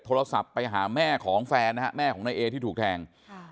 โทรศัพท์ไปหาแม่ของแฟนนะฮะแม่ของนายเอที่ถูกแทง